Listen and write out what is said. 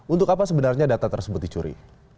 untuk apa sebenarnya data tersebut dicuri